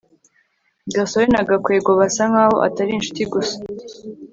gasore na gakwego basa nkaho atari inshuti gusa